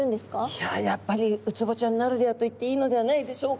いややっぱりウツボちゃんならではと言っていいのではないでしょうか。